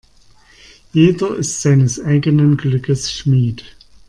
Jeder ist seines eigenen Glückes Schmied.